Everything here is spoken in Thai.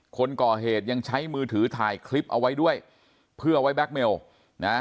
คนก่อเหตุยังใช้มือถือถ่ายคลิปเอาไว้ด้วยเพื่อไว้แก๊กเมลนะ